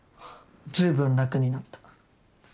随分楽になった。